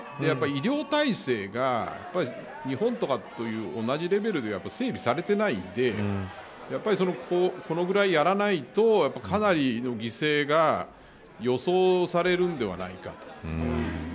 医療体制が日本とかと同じレベルで整備されていないのでこのぐらいやらないとかなりの犠牲者が予想されるんではないかと。